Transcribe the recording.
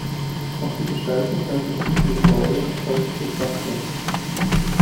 Auch die Gestaltung ganzer Kirchengebäude erfolgte durch Wachter.